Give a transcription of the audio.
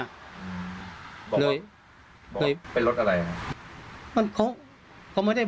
ก็เลยต้องรีบไปแจ้งให้ตรวจสอบคือตอนนี้ครอบครัวรู้สึกไม่ไกล